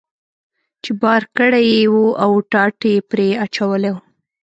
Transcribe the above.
چې بار کړی یې و او ټاټ یې پرې اچولی و.